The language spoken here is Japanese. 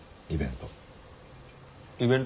イベント？